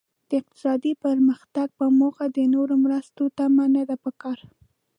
د اقتصادي پرمختګ په موخه د نورو مرستو تمه نده پکار.